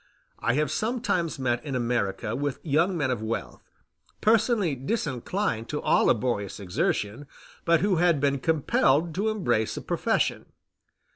I have sometimes met in America with young men of wealth, personally disinclined to all laborious exertion, but who had been compelled to embrace a profession.